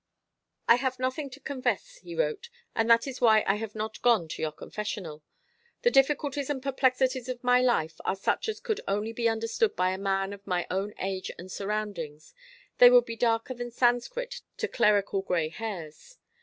"I have nothing to confess," he wrote, "and that is why I have not gone to your confessional. The difficulties and perplexities of my life are such as could only be understood by a man of my own age and surroundings. They would be darker than Sanscrit to clerical gray hairs.